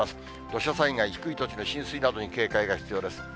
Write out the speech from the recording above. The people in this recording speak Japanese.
土砂災害、低い土地の浸水などに警戒が必要です。